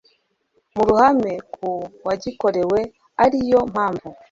mu ruhame kuwagikorewe ariyo mpamvu